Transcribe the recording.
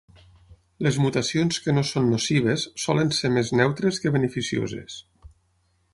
Les mutacions que no són nocives solen ser més neutres que beneficioses.